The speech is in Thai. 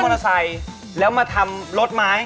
มอเตอร์ไซค์แล้วมาทำรถไม้